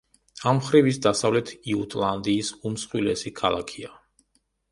ამ მხრივ ის დასავლეთ იუტლანდიის უმსხვილესი ქალაქია.